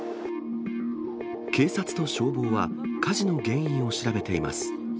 警察と消防は、火事の原因を調べています。